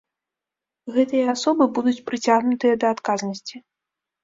Гэтыя асобы будуць прыцягнутыя да адказнасці.